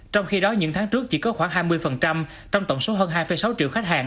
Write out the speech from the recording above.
trong khi đó những tháng trước chỉ có khoảng hai mươi trong tổng số hơn hai sáu triệu khách hàng